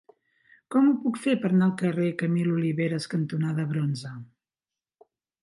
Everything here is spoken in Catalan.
Com ho puc fer per anar al carrer Camil Oliveras cantonada Bronze?